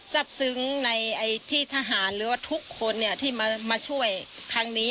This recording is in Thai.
ซับซึ้งในที่ทหารหรือว่าทุกคนที่มาช่วยครั้งนี้